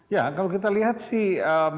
ya kalau kita lihat sih